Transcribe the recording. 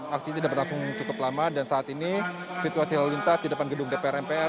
aksi tidak berlangsung cukup lama dan saat ini situasi lalu lintas di depan gedung dpr mpr